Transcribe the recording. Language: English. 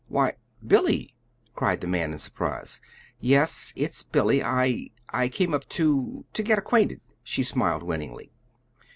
"Why Billy!" cried the man in surprise. "Yes, it's Billy. I I came up to to get acquainted," she smiled winningly.